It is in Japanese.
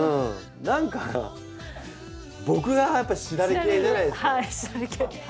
何か僕がやっぱしだれ系じゃないですか？